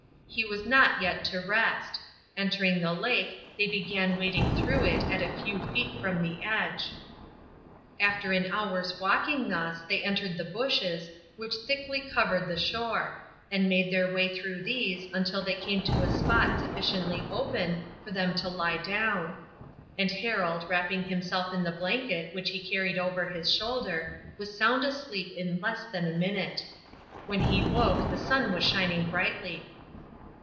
He was not yet to rest. Entering the lake, they began wading through it at a few feet from the edge. After an hour's walking thus they entered the bushes, which thickly covered the shore, and made their way through these until they came to a spot sufficiently open for them to lie down; and Harold, wrapping himself in the blanket which he carried over his shoulder, was sound asleep in less than a minute. When he woke the sun was shining brightly.